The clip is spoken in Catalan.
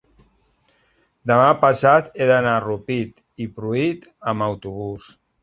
demà passat he d'anar a Rupit i Pruit amb autobús.